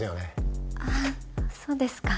あっそうですか。